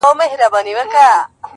پوره اتلس سوه کاله چي خندا ورکړه خو